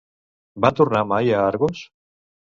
Va tornar mai a Argos?